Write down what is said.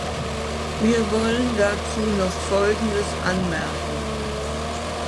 Wir wollen dazu noch folgendes anmerken.